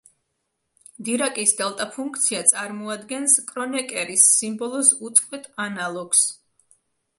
დირაკის დელტა ფუნქცია წარმოადგენს კრონეკერის სიმბოლოს უწყვეტ ანალოგს.